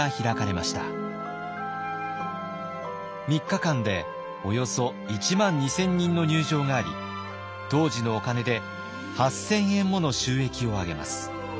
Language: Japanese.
３日間でおよそ１万２，０００人の入場があり当時のお金で８，０００円もの収益を上げます。